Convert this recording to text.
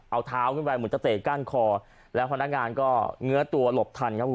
เอาเท้าขึ้นไปเหมือนจะเตะก้านคอแล้วพนักงานก็เงื้อตัวหลบทันครับ